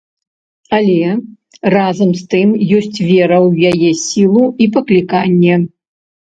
Але, разам з тым, ёсць вера ў яе сілу і пакліканне.